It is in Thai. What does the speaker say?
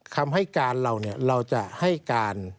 คำให้การเราเราจะให้การ